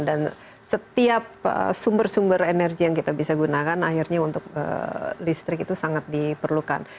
dan setiap sumber sumber energi yang kita bisa gunakan akhirnya untuk listrik itu sangat diperlukan